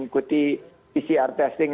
mengikuti pcr testing